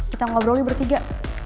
kita ngobrol di bertiga